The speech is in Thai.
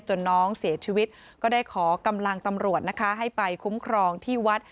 น้องเสียชีวิตก็ได้ขอกำลังตำรวจนะคะให้ไปคุ้มครองที่วัด